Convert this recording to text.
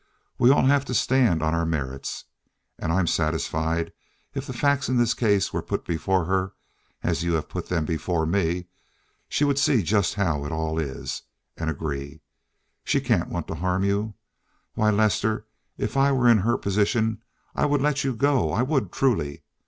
We all have to stand on our merits. And I'm satisfied, if the facts in this case were put before her, as you have put them before me, she would see just how it all is, and agree. She can't want to harm you. Why, Lester, if I were in her position I would let you go. I would, truly.